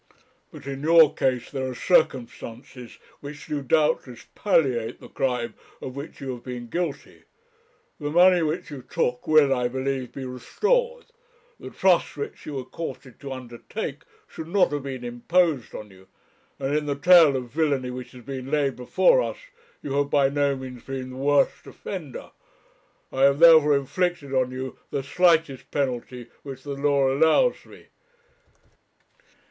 But in your case there are circumstances which do doubtless palliate the crime of which you have been guilty; the money which you took will, I believe, be restored; the trust which you were courted to undertake should not have been imposed on you; and in the tale of villany which has been laid before us, you have by no means been the worst offender. I have, therefore, inflicted on you the slightest penalty which the law allows me.